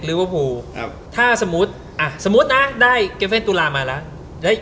หรือว่าภูอ่ะถ้าสมมุติอ่าสมมุตินะได้มาแล้ว